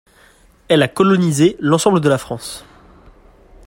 Elle a colonisé l’ensemble de la France.